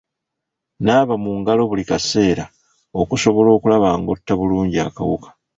Naaba mu ngalo buli kaseera okusobola okulaba ng'otta bulungi akawuka.